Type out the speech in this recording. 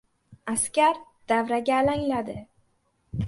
Askar davraga alangladi.